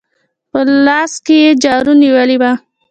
په لاس کې يې جارو نيولې وه.